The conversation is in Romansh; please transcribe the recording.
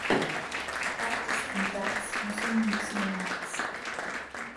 Oters candidats nu sun gnüts nomnats.